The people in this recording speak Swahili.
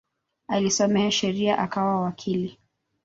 Alisoma sheria akawa wakili.